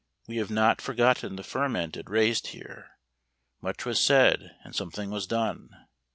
We have not forgotten the ferment it raised here; much was said, and something was done.